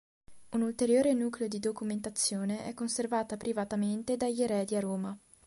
Un ulteriore nucleo di documentazione è conservata privatamente dagli eredi a Roma.